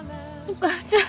お母ちゃん！